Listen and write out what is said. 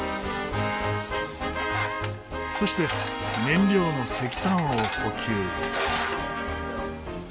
そして燃料の石炭を補給。